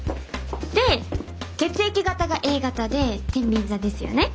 で血液型がＡ型でてんびん座ですよね？